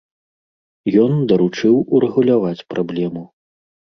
Ён даручыў урэгуляваць праблему.